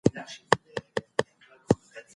زمانه په تحقیق کي یو مهم عنصر دئ.